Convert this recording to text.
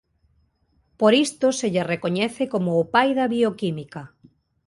Por isto se lle recoñece como o "pai da bioquímica".